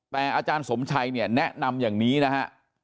แต่อาจารย์สมชัยเนี่ยแนะนำอย่างนี้นะฮะ